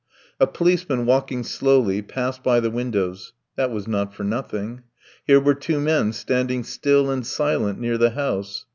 A policeman walking slowly passed by the windows: that was not for nothing. Here were two men standing still and silent near the house.